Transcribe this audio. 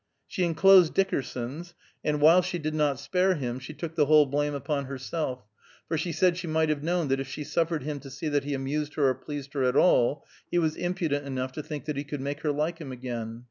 She enclosed Dickerson's, and while she did not spare him, she took the whole blame upon herself, for she said she might have known that if she suffered him to see that he amused her or pleased her at all, he was impudent enough to think that he could make her like him again.